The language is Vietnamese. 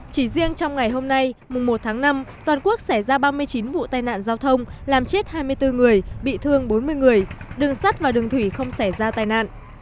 chỉ riêng trong ngày hôm nay mùng một tháng năm toàn quốc xảy ra ba mươi chín vụ tai nạn giao thông làm chết hai mươi bốn người bị thương bốn mươi người đường sắt và đường thủy không xảy ra tai nạn